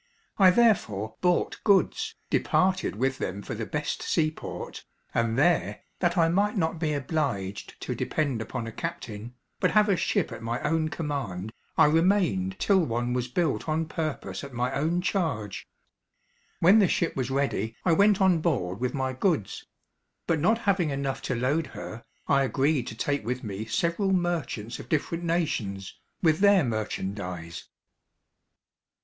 I therefore bought goods, departed with them for the best seaport, and there, that I might not be obliged to depend upon a captain, but have a ship at my own command, I remained till one was built on purpose at my own charge. When the ship was ready, I went on board with my goods: but not having enough to load her, I agreed to take with me several merchants of different nations, with their merchandise.